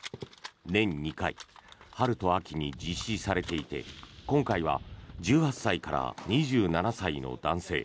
年２回、春と秋に実施されていて今回は１８歳から２７歳の男性